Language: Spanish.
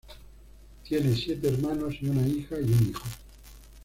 Tiene siete hermanos y una hija y un hijo.